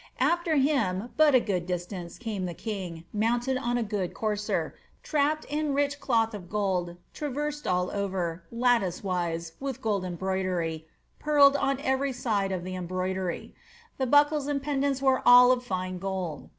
After him, but a good distance, came the king, mounted on a goodly courser, trapped in rich cloth of gold, traversed all over, lattice wise, with gold embroidery, pearled on every side of the embroidery; the buckles and pendants were all of fine gold.'